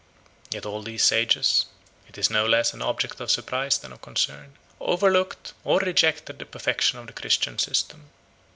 Yet all these sages (it is no less an object of surprise than of concern) overlooked or rejected the perfection of the Christian system.